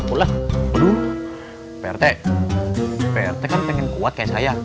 prt kan pengen kuat kayak saya